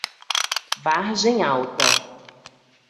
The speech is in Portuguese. Vargem Alta